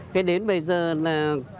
cái đến bây giờ là